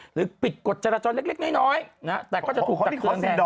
หรือปิดกฎจรจรำเล็กน้อยแต่ก็จะถูกกัดเครื่องแทน